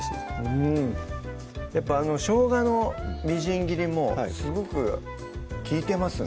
うんやっぱしょうがのみじん切りもすごく利いてますね